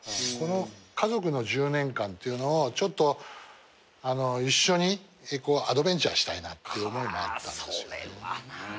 この家族の１０年間っていうのを一緒にアドベンチャーしたいなっていう思いもあったんですよね。